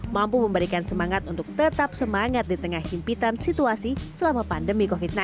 mampu memberikan semangat untuk tetap semangat di tengah himpitan situasi selama pandemi covid sembilan belas